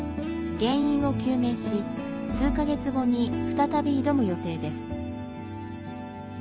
原因を究明し数か月後に再び挑む予定です。